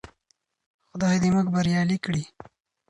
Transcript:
خدای دې موږ بريالي کړي.